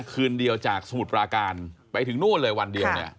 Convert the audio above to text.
คืนเดียวจากสมุทรปราการไปถึงนู่นเลยวันเดียวเนี่ย